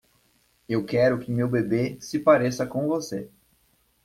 Eu quero que meu bebê se pareça com você.